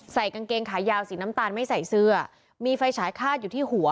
กางเกงขายาวสีน้ำตาลไม่ใส่เสื้อมีไฟฉายคาดอยู่ที่หัว